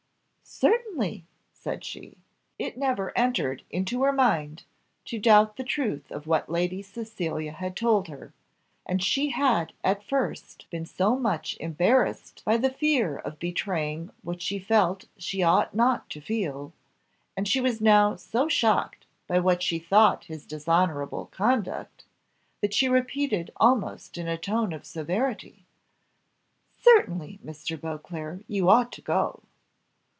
"Certainly," said she. It never entered into her mind to doubt the truth of what Lady Cecilia had told her, and she had at first been so much embarrassed by the fear of betraying what she felt she ought not to feel, and she was now so shocked by what she thought his dishonourable conduct, that she repeated almost in a tone of severity "Certainly, Mr. Beauclerc, you ought to go."